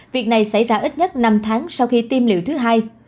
việc này xảy ra ít nhất năm tháng sau khi tiêm liệu thứ hai